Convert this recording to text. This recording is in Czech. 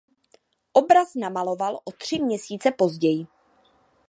Obraz namaloval o tři měsíce později.